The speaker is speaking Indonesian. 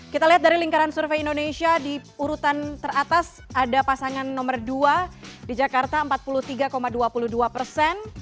kita lihat dari lingkaran survei indonesia di urutan teratas ada pasangan nomor dua di jakarta empat puluh tiga dua puluh dua persen